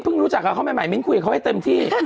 มิ้นซ์เพิ่งรู้จักเขาเข้าใหม่มิ้นซ์คุยกับเขาให้เต็มที่